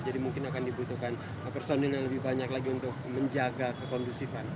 jadi mungkin akan dibutuhkan personal yang lebih banyak lagi untuk menjaga kekondusifan